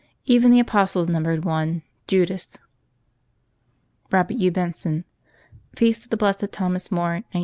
Even the apostles numbered one Judas ! Robert Hugh Benson. Feast of the Blessed Thomas More, 1912.